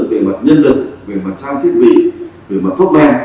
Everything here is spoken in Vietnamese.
về mặt nhân lực về mặt trang thiết bị về mặt phốt me